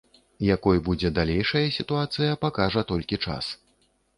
Якой будзе далейшая сітуацыя, пакажа толькі час.